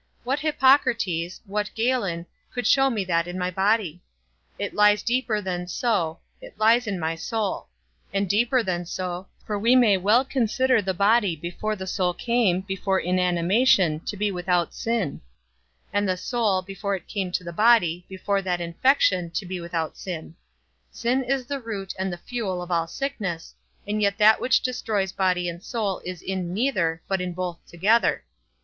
What Hippocrates, what Galen, could show me that in my body? It lies deeper than so, it lies in my soul; and deeper than so, for we may well consider the body before the soul came, before inanimation, to be without sin; and the soul, before it come to the body, before that infection, to be without sin: sin is the root and the fuel of all sickness, and yet that which destroys body and soul is in neither, but in both together.